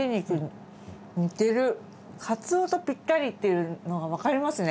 カツオとぴったりっていうのがわかりますね